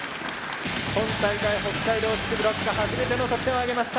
今大会北海道地区ブロック初めての得点を挙げました。